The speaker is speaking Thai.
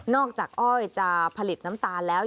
อกจากอ้อยจะผลิตน้ำตาลแล้ว